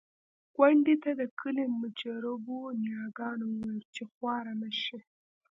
کونډې ته د کلي مجربو نياګانو وويل چې خواره مه شې.